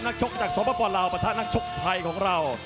ชกจากสปลาวประทะนักชกไทยของเรา